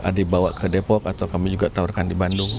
kami ingin ada yang dibawa ke depok atau kami juga tawarkan di bandung